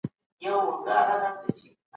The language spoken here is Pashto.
پوهان به نورو عواملو ته هم پام کوي.